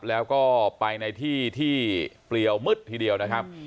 แล้วก็ไปในที่ที่เปลี่ยวมืดทีเดียวนะครับ